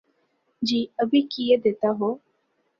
جی ابھی کیئے دیتا ہو